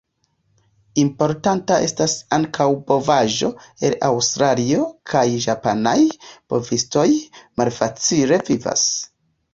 Importata estas ankaŭ bovaĵo el Aŭstralio, kaj japanaj bovistoj malfacile vivas.